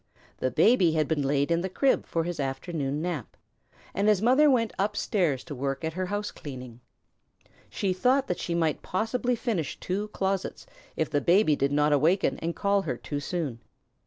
The Baby had been laid in the crib for his afternoon nap, and his mother went up stairs to work at her house cleaning. She thought that she might possibly finish two closets if the baby did not awaken and call her too soon.